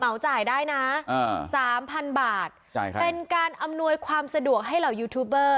จ่ายได้นะสามพันบาทจ่ายครับเป็นการอำนวยความสะดวกให้เหล่ายูทูบเบอร์